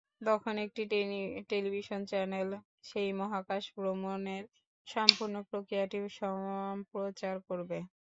তখন একটি television channel সেই মহাকাশ ভ্রমণের সম্পূর্ণ প্রক্রিয়াটি সম্প্রচার করবে।